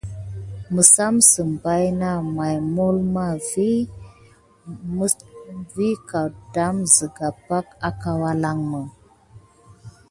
Məsamsəm baïna may mulma vi kawɗakan zəga pake akawalanmou.